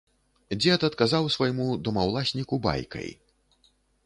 Дзед адказаў свайму домаўласніку байкай.